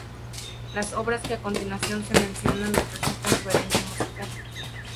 Las obras que a continuación se mencionan representan su herencia musical.